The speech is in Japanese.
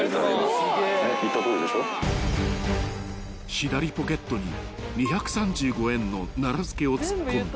［左ポケットに２３５円の奈良漬を突っ込んだ］